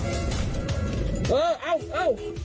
เออเอาเอา